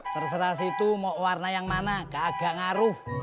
terserah situ mau warna yang mana agak ngaruh